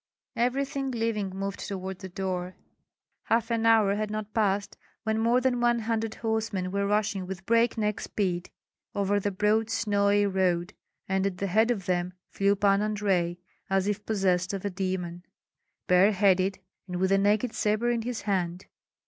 Everything living moved toward the door. Half an hour had not passed when more than one hundred horsemen were rushing with breakneck speed over the broad snowy road, and at the head of them flew Pan Andrei, as if possessed of a demon, bareheaded and with a naked sabre in his hand.